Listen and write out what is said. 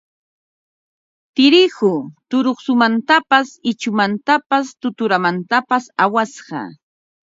Tirihu turuqsumantapas ichumantapas tuturamantapas awasqa